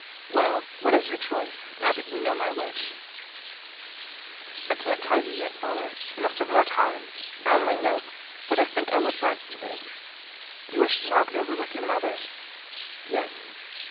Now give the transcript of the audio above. "Well, what is your choice, now that you know my wish?" "I can't tell you yet, father. I must have more time. I only know what I think I would like to do." "You wish to talk it over with your mother?" "Yes."